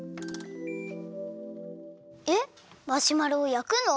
えっマシュマロをやくの？